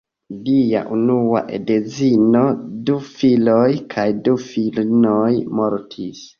Lia unua edzino, du filoj kaj du filinoj mortis.